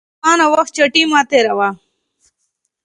ګوره ځوانه وخت چټي مه تیروه